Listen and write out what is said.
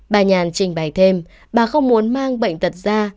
bà nhàn trình bày thêm bà không muốn mang bệnh tật ra